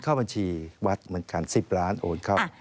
เข้าบัญชีวัดเหมือนกัน๑๐ล้านโอนเข้า